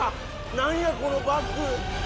何やこのバッグ！